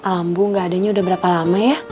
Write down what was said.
lambung gak adanya udah berapa lama ya